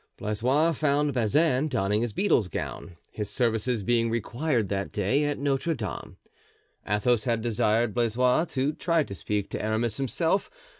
Blaisois found Bazin donning his beadle's gown, his services being required that day at Notre Dame. Athos had desired Blaisois to try to speak to Aramis himself.